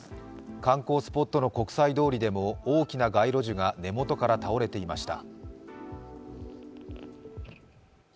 観光スポットの国際通りでも大きな街路樹が根元から倒れていました。